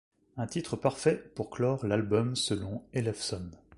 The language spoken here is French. Un titre parfait pour clore l'album selon Ellefson.